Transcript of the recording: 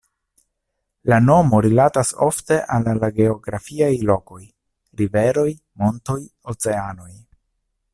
La nomo rilatas ofte al la geografiaj lokoj: riveroj, montoj, oceanoj.